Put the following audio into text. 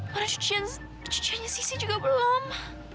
mana cuciannya sisi juga belum